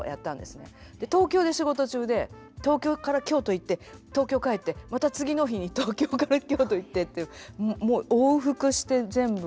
東京で仕事中で東京から京都行って東京帰ってまた次の日に東京から京都行ってっていうもう往復して全部拝見しました。